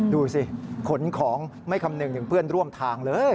ดูสิขนของไม่คำนึงถึงเพื่อนร่วมทางเลย